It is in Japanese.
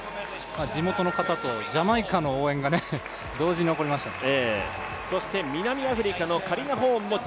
地元の方とジャマイカの応援が同時に起こりましたね。